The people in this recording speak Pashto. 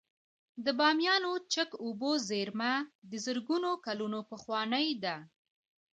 د بامیانو چک اوبو زیرمه د زرګونه کلونو پخوانۍ ده